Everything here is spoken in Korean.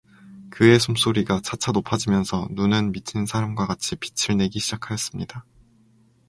그의 숨소리가 차차 높아지면서 눈은 미친 사람과 같이 빛을 내기 시작하였습니다.